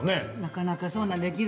なかなかそうなんです。